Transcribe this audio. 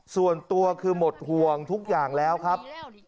ส่วนตัวคือหมดห่วงทุกอย่างแล้วครับ